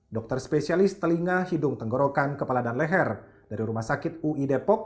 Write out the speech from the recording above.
dokter spesialis telinga hidung tenggorokan kepala dan leher dari rumah sakit ui depok